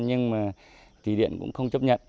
nhưng mà tỷ điện cũng không chấp nhận